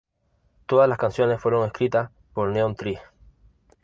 Todas las canciones fueron escritas por Neon Trees.